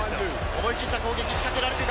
思い切った攻撃を仕掛けられるか？